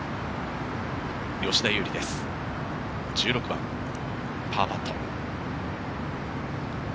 吉田優利です、１６番のパーパット。